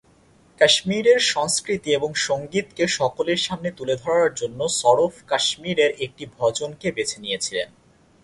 কাশ্মীরের সংস্কৃতি এবং সংগীতকে সকলের সামনে তুলে ধরার জন্য সরফ কাশ্মীরের একটি ভজন কে বেছে নিয়েছিলেন।